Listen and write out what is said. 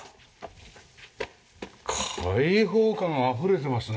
開放感あふれてますね。